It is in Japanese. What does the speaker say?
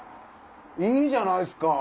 いいじゃないっすか！